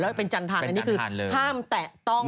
แล้วเป็นจันทานอันนี้คือห้ามแตะต้องห้ามเป็นจันทานเริ่ม